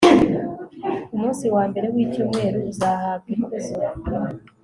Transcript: Umunsi wa mbere wicyuweru uzahabwa ikuzo